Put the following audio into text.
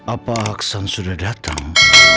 apa aksan sudah datang